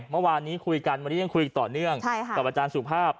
เมื่อวานนี้คุยกันวันนี้ยังคุยต่อเนื่องกับอาจารย์สุภาพ